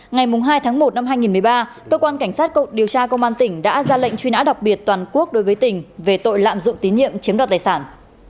ngày hai tháng một năm hai nghìn một mươi ba cơ quan cảnh sát cộng điều tra công an tỉnh đã ra lệnh truy nã đặc biệt toàn quốc đối với tỉnh về tội lạm dụng tín nhiệm chiếm đoạt tài sản